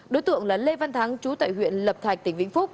đối tượng là lê văn thắng chú tại huyện lập thạch tỉnh vĩnh phúc